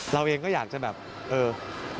เราเองก็อยากจะแบบเออ